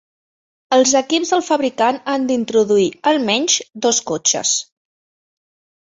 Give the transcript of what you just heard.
Els equips del fabricant han d'introduir "almenys" dos cotxes.